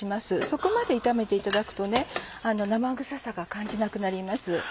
そこまで炒めていただくと生臭さが感じなくなります。